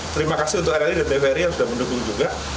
terima kasih untuk rri dan tvri yang sudah mendukung juga